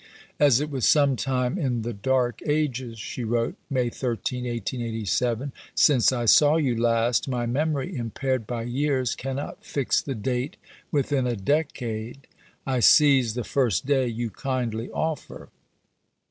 "As it was some time in the dark ages," she wrote (May 13, 1887), "since I saw you last my memory impaired by years cannot fix the date within a decade I seize the first day you kindly offer."